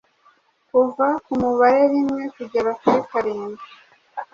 kuva ku mubare rimwe kugera kuri karindwi.